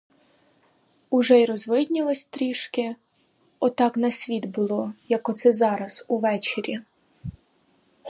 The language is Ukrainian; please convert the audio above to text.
Уже й розвиднілось трішки — отак на світ було, як оце зараз увечері.